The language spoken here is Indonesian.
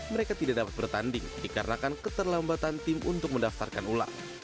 mereka tidak dapat bertanding dikarenakan keterlambatan tim untuk mendaftarkan ulang